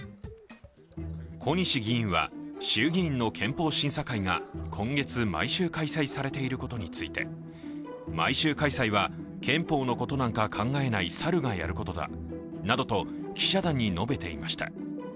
小西議員は衆議院の憲法審査会が今月、毎週開催されていることについて、毎週開催は憲法のことなんか考えない猿のやることだなどと記者団に述べていました。